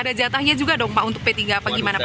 ada jatahnya juga dong pak untuk p tiga apa gimana pak